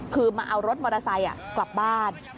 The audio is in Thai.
คือมาเอารถมอเตอร์ไซค์กลับบ้าน